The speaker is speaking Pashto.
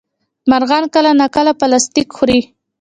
مرغان کله ناکله پلاستيک خوري.